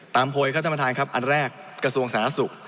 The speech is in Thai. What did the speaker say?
โพยครับท่านประธานครับอันแรกกระทรวงสาธารณสุข